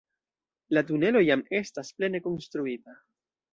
La tunelo jam estas plene konstruita.